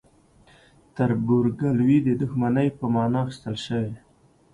تربورګلوي د دښمنۍ په معنی اخیستل شوی.